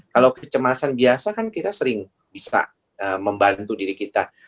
kalau kecemasan biasa kan kita sering bisa membantu diri kita